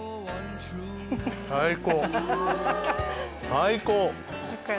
最高！